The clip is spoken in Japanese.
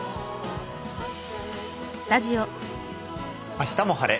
「あしたも晴れ！